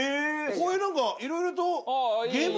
こういう何かいろいろと。